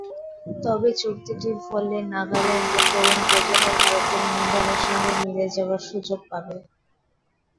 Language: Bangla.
তবে চুক্তিটির ফলে নাগাল্যান্ডের তরুণ প্রজন্ম ভারতের মূলধারার সঙ্গে মিলে যাওয়ার সুযোগ পাবে।